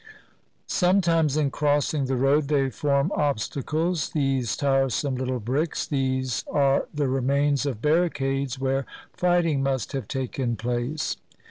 Sometimes in crossing the road they form obstacles, — these tiresome little bricks ; these are the remains of barricades where fighting must have taken place.